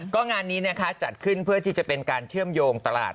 ก็งานนี้นะคะจัดขึ้นเพื่อที่จะเป็นการเชื่อมโยงตลาด